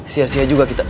sia sia juga kita